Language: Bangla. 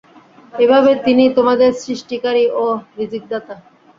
এভাবে তিনিই তোমাদের সৃষ্টিকারী ও রিযিকদাতা।